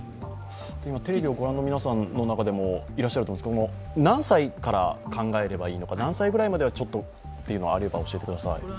テレビをご覧の皆さんの中にもいらっしゃると思うんですけど何歳から考えればいいのか、何歳くらいまではちょっとというのを教えてください。